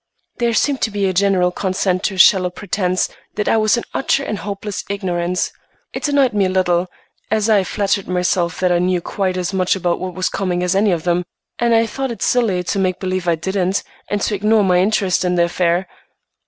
There seemed to be a general consent to a shallow pretence that I was in utter and hopeless ignorance. It annoyed me a little, as I flattered myself that I knew quite as much about what was coming as any of them, and I thought it silly to make believe I didn't, and to ignore my interest in the affair.